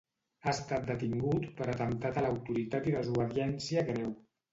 Ha estat detingut per atemptat a l'autoritat i desobediència greu.